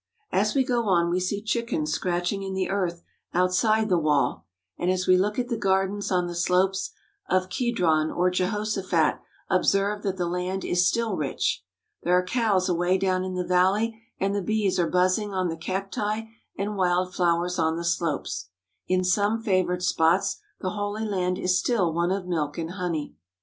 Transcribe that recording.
As we go on we see chickens scratching in the earth outside the wall, and as we look at the gardens on the slopes of Kedron or Jehoshaphat observe that the land is still rich. There are cows away down in the valley and the bees are buzzing on the cacti and wild flowers on the slopes. In some favoured spots the Holy Land is still one of milk and honey.